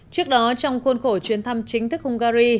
trước đó trong khuôn khổ chuyến thăm chính thức hungary